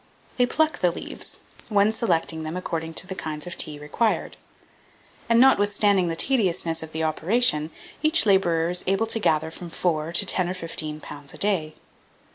They pluck the leaves, one selecting them according to the kinds of tea required; and, notwithstanding the tediousness of the operation, each labourer is able to gather from four to ten or fifteen pounds a day.